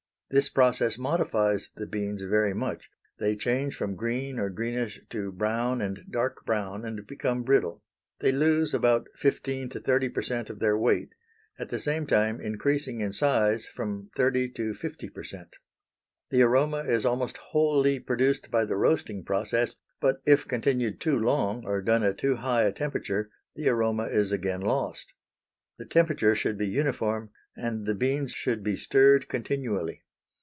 This process modifies the beans very much; they change from green or greenish to brown and dark brown and become brittle; they lose about 15 to 30 per cent. of their weight, at the same time increasing in size from 30 to 50 per cent. The aroma is almost wholly produced by the roasting process, but if continued too long or done at too high a temperature the aroma is again lost. The temperature should be uniform and the beans should be stirred continually.